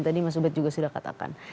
tadi mas ubed juga sudah katakan